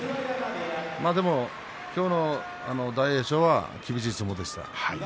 今日の大栄翔は厳しい相撲でした。